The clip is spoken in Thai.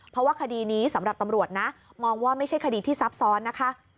เพราะว่าคดีนี้สำหรับตำรวจนะมองว่าไม่ใช่คดีที่ซับซ้อนนะคะ